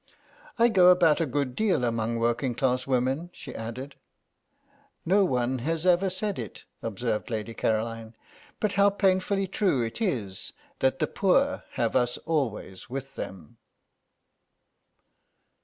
"I go about a good deal among working class women," she added. "No one has ever said it," observed Lady Caroline, "but how painfully true it is that the poor have us always with them."